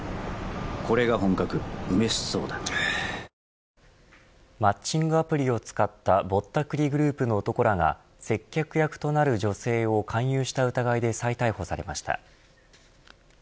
おいしさプラスマッチングアプリを使ったぼったくりグループの男らが接客役となる女性を勧誘した疑いで再逮捕されました。